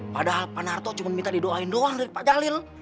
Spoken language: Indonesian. padahal pak narto cuma minta didoain doang dari pak jalil